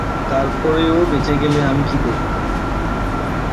তারপরেও বেঁচে গেলে আমি কী করব?